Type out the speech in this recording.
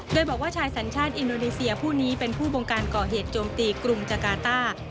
โดยบอกว่าชายสัญชาติอินโดนีเซียผู้นี้เป็นผู้บงการก่อเหตุโจมตีกรุงจากาต้า